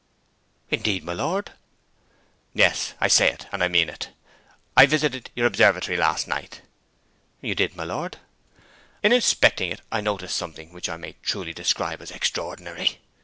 'Indeed, my lord!' 'Yes, I say it, and I mean it. I visited your observatory last night.' 'You did, my lord.' 'In inspecting it I noticed something which I may truly describe as extraordinary.